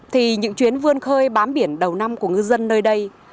thì những chuyến vươn khơi bám biển đầu năm của ngư dân nơi đây